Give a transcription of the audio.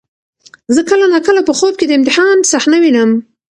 زه کله ناکله په خوب کې د امتحان صحنه وینم.